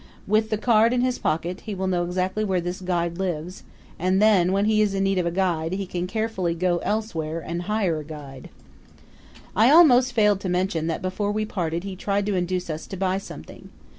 With the card in his pocket, he will know exactly where this guide lives; and then, when he is in need of a guide he can carefully go elsewhere and hire a guide. I almost failed to mention that before we parted he tried to induce us to buy something.